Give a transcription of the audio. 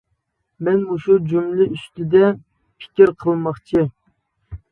مەن مۇشۇ جۈملە ئۈستىدە پىكىر قىلماقچى.